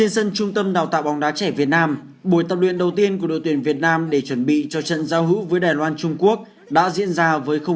xin chào và hẹn gặp lại trong các bộ phim tiếp theo